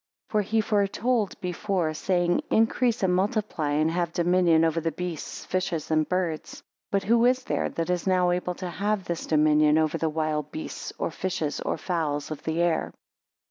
22 For he foretold before, saying, increase and multiply, and have dominion over the beasts, fishes, and birds. 23 But who is there that is now able to have this dominion over the wild beasts, or fishes, or fowls of the air?